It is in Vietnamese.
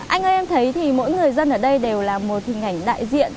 anh ơi em thấy thì mỗi người dân ở đây đều là một hình ảnh đại diện